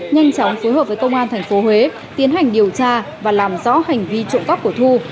nhanh chóng phối hợp với công an tp huế tiến hành điều tra và làm rõ hành vi trộm cắp của thu